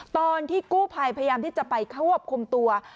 ตอนที่กู้ภัยพยามที่จะไปเข้าอบคมตัว